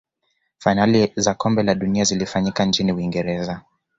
fainali za kombe la dunia zilifanyika nchini uingereza